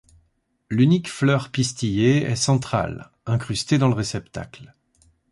L'unique fleur pistillée est centrale, incrustée dans le réceptacle.